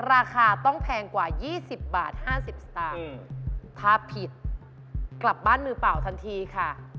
ราคาต้องแพงกว่า๒๐บาท๕๐สตางค์ถ้าผิดกลับบ้านมือเปล่าทันทีค่ะ